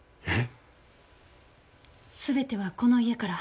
えっ？